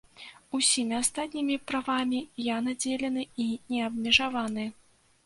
Усімі астатнімі правамі я надзелены і неабмежаваны.